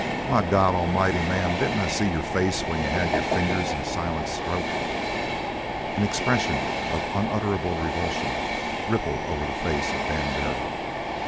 My God A'mighty, man, didn't I see your face when you had your fingers in Silent's throat?" An expression of unutterable revulsion rippled over the face of Dan Barry.